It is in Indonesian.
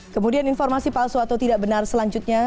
kemudian informasi palsu atau tidak benar selanjutnya